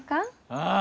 ああ。